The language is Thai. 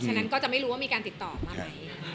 ฉะนั้นก็จะไม่รู้ว่ามีการติดต่อมาไหม